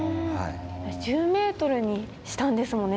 １０ｍにしたんですもんね